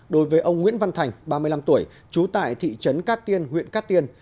đối với ông nguyễn văn thành ba mươi năm tuổi trú tại thị trấn cát tiên huyện cát tiên